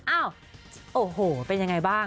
อ้าวโอ้โหเป็นยังไงบ้าง